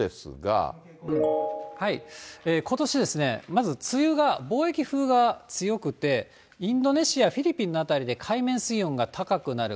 ことしですね、まず梅雨が、貿易風が強くて、インドネシア、フィリピンの辺りで海面水温が高くなる。